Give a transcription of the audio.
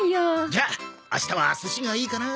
じゃあ明日は寿司がいいかな。